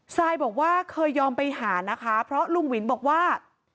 ซายบอกว่าเคยยอมไปหานะคะเพราะลุงวินบอกว่า